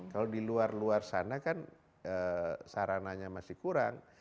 kalau di luar luar sana kan sarananya masih kurang